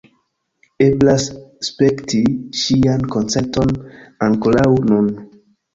Eblas spekti ŝian koncerton ankoraŭ nun.